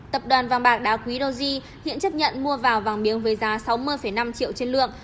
tập đoàn vàng bạc đá quý doji hiện chấp nhận mua vào vàng miếng với giá sáu mươi năm triệu trên lượng